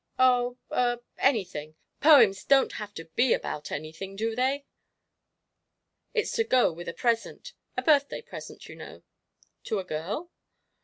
"Oh er anything. Poems don't have to be about anything, do they? It's to go with a present a birthday present, you know." "To a girl?"